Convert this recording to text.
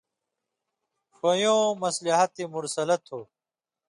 ݜویؤں مصلحتِ مُرسلہ تُھو